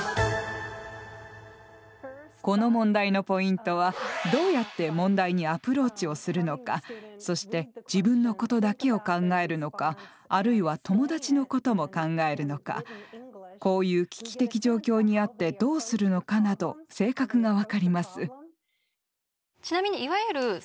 この問題のポイントはどうやって問題にアプローチをするのかそして自分のことだけを考えるのかあるいは友達のことも考えるのかこういう危機的状況にあってどうするのかなど性格が分かります。